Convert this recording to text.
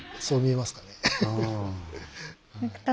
そう見えますかね。